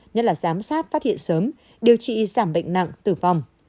nhất là giám sát phát hiện sớm điều trị giảm bệnh nặng tử vong